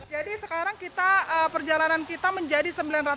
jadi sekarang perjalanan kita menjadi sembilan ratus tujuh puluh lima